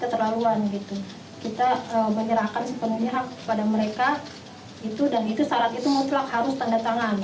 keterlaluan gitu kita menyerahkan sepenuhnya hak kepada mereka itu dan itu syarat itu mutlak harus tanda tangan